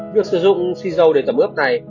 nước sử dụng xì dầu để tẩm ướp này